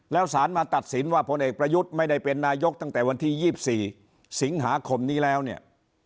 แล้วสารมาตัดสินว่าพลเอกประยุทธ์ไม่ได้เป็นนายกตั้งแต่วันที่๒๔สิงหาคมนี้แล้วเนี่ย